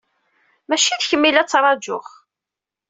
Maci d kemm ay la ttṛajuɣ.